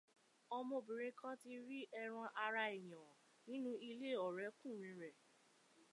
Ọmọbìnrin kan ti rí ẹran ara èèyàn nínú ilé ọ̀rẹ́kùnrin ẹ̀